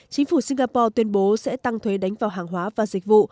chính phủ singapore tuyên bố sẽ tăng thuế đánh vào hàng hóa và dịch vụ